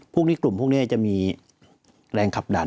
พวกนี้กลุ่มพวกนี้จะมีแรงขับดัน